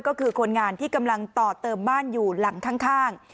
ก็คือคนงานที่กำลังต่อเติมบ้านอยู่หลังข้าง